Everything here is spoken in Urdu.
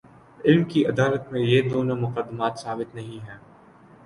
علم کی عدالت میں، یہ دونوں مقدمات ثابت نہیں ہیں۔